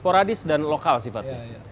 sporadis dan lokal sifatnya